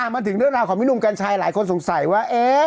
มาถึงเรื่องราวของพี่หนุ่มกัญชัยหลายคนสงสัยว่า